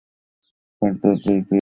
কার দরজায় গিয়ে খটখট করবো?